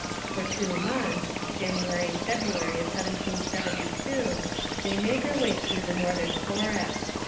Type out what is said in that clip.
For two months (January and February of 1772) they made their way through the northern forest.